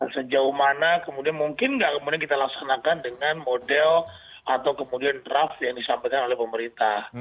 sejauh mana kemudian mungkin nggak kemudian kita laksanakan dengan model atau kemudian draft yang disampaikan oleh pemerintah